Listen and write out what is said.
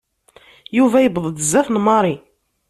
Yuba yewweḍ-d zdat n Mary.